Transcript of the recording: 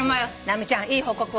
直美ちゃんいい報告を。